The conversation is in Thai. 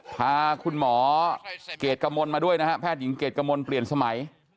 พาคุณหมอเกรดกระมนมาด้วยนะฮะแพทย์หญิงเกรดกมลเปลี่ยนสมัย